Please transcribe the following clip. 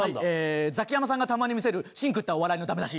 ザキヤマさんがたまに見せる芯食ったお笑いのダメ出し。